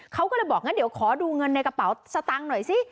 เขาก็เลยบอกงั้นเดี๋ยวขอดูเงินในกระเป๋าสตางค์หน่อยสิ